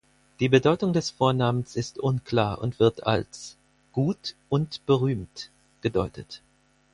Die Bedeutung des Vornamens ist unklar und wird als „gut und berühmt“ gedeutet.